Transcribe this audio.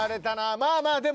まあまあでも。